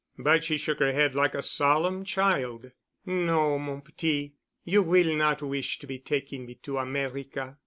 But she shook her head like a solemn child. "No, mon petit. You will not wish to be taking me to America.